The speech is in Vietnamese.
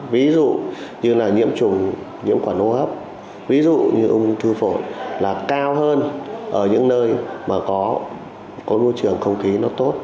ví dụ như là nhiễm trùng nhiễm khuẩn hô hấp ví dụ như ung thư phổi là cao hơn ở những nơi mà có môi trường không khí nó tốt